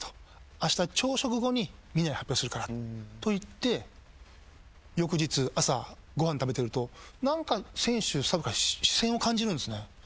あした朝食後にみんなに発表するからと言って翌日朝ご飯食べてると何か選手スタッフから視線を感じるんですね。